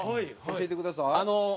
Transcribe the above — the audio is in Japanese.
教えてください。